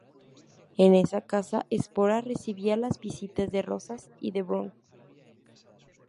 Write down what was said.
En esa casa Espora recibía las visitas de Rosas y de Brown.